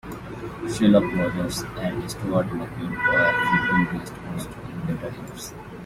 Shelagh Rogers and Stuart McLean were frequent guest hosts in later years.